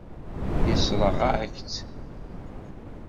Yessṛeɣ-aɣ-tt.